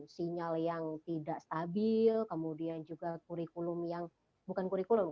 pandemi covid sembilan belas sinyal yang tidak stabil kemudian juga kurikulum yang bukan kurikulum